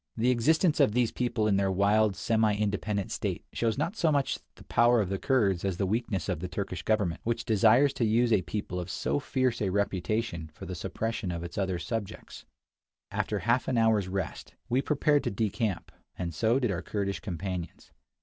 The existence of these people, II 51 in their wild, semi independent state, shows not so much the power of the Kurds as the weakness of the Turkish government, which desires to use a people of so fierce a reputation for the suppression of its other subjects. After half an hour's rest, we prepared to decamp, and so did our Kurdish companions.